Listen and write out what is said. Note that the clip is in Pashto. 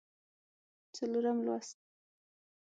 څلورم لوست